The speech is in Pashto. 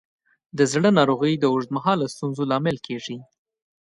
د زړه ناروغۍ د اوږد مهاله ستونزو لامل کېږي.